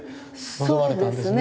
臨まれたんですね